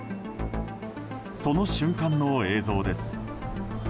その瞬間の映像です。